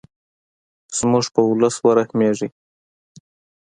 زموږ په ولس ورحمیږې.